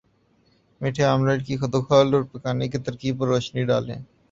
میٹھے آملیٹ کے خدوخال اور پکانے کی ترکیب پر روشنی ڈالی